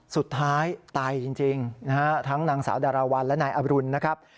สุดท้ายตายจริงนะฮะทั้งนางสาวดาราวัลและนายอรุณนะครับ